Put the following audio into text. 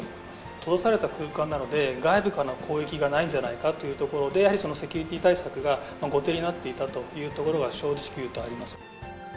閉ざされた空間なので、外部からの攻撃がないんじゃないかというところで、やはりセキュリティー対策が後手になっていたというところが、正直言うとありますね。